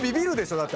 ⁉だって。